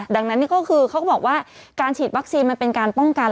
ดังนั้นนี่ก็คือเขาก็บอกว่าการฉีดวัคซีนมันเป็นการป้องกัน